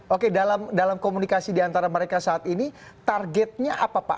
oke dalam komunikasi diantara mereka saat ini targetnya apa pak